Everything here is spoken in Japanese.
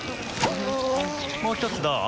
もう一つどう？